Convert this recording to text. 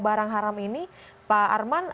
barang haram ini pak arman